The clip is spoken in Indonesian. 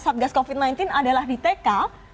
satgas covid sembilan belas adalah di tk